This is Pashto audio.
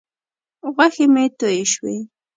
غوښې مې تویې شوې.